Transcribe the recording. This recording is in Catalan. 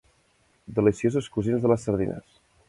Deliciosos cosins de les sardines.